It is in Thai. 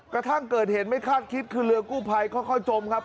กระทั่งเกิดเหตุไม่คาดคิดคือเรือกู้ภัยค่อยจมครับ